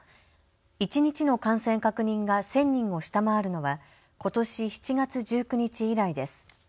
一日の感染確認が１０００人を下回るのはことし７月１９日以来です。